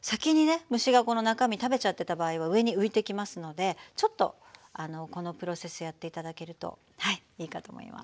虫がこの中身食べちゃってた場合は上に浮いてきますのでちょっとこのプロセスやって頂けるといいかと思います。